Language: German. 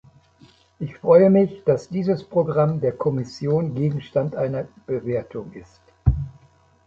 Ich freue mich, dass dieses Programm der Kommission Gegenstand einer Bewertung ist.